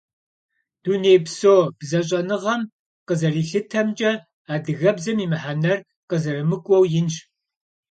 Дунейпсо бзэщӀэныгъэм къызэрилъытэмкӀэ, адыгэбзэм и мыхьэнэр къызэрымыкӀуэу инщ.